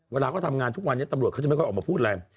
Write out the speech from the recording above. เวลาเขาทำงานทุกวันนี้ตำรวจเขาจะไม่ค่อยออกมาพูดอะไร